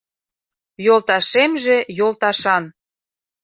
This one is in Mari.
Йолташемже - йолташан.